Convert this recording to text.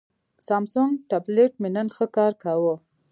سامسنګ ټابلیټ مې نن ښه کار کاوه.